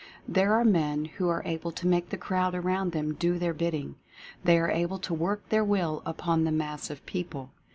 There are men who are able to make the crowd around them do their bid ding — they are able to work their Will upon the mass of people.